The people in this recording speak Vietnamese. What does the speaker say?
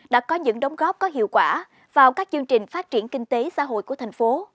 đã có những đóng góp có hiệu quả vào các chương trình phát triển kinh tế xã hội của thành phố